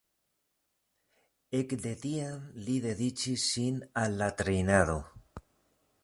Ekde tiam li dediĉis sin al la trejnado.